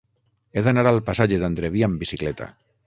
He d'anar al passatge d'Andreví amb bicicleta.